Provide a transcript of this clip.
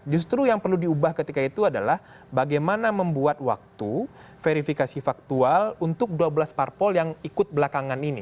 justru yang perlu diubah ketika itu adalah bagaimana membuat waktu verifikasi faktual untuk dua belas parpol yang ikut belakangan ini